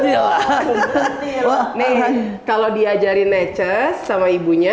ini kalau diajarin neces sama ibunya